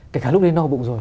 kể cả lúc đến no bụng rồi